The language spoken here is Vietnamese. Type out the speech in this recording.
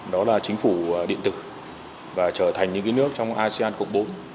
đó là chính phủ điện tử và trở thành những nước trong asean cộng bốn